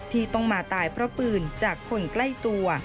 ที่ต้องมาตายเพราะปืนจากคนใกล้ตัว